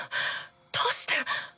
どうして。